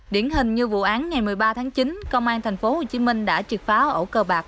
điển hình như vụ án ngày một mươi ba tháng chín công an tp hcm đã triệt phá ổ bạc